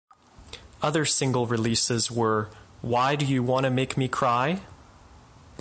Other single releases were Why'd You Wanna Make Me Cry?